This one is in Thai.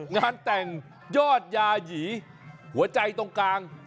งานแต่งยอดยาหยีหัวใจตรงกลาง